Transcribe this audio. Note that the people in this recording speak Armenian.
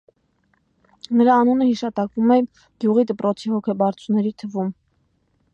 Նրա անունը հիշատակվում է գյուղի դպրոցի հոգաբարձուների թվում։